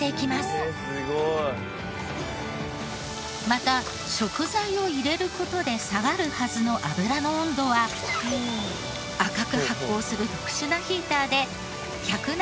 また食材を入れる事で下がるはずの油の温度は赤く発光する特殊なヒーターで１７５度をキープ。